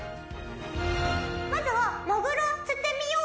まずはマグロを釣ってみよう。